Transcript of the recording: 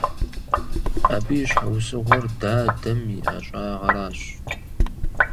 Абы и щхьэусыгъуэр дадэм и ӀэщӀагъэращ.